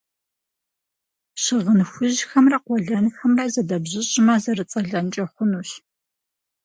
Щыгъын хужьхэмрэ къуэлэнхэмрэ зэдэбжьыщӏмэ, зэрыцӏэлэнкӏэ хъунущ.